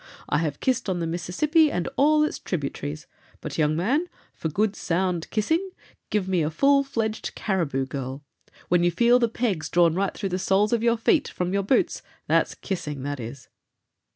I have kissed on the Mississippi and all its tributaries; but, young man, for good sound kissing, give me a full fledged Caribou girl. When you feel the pegs drawn right through the soles of your feet, from your boots, that's kissing, that is."